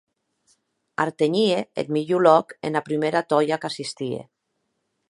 Artenhie eth milhor lòc ena prumèra tòia qu’assistie!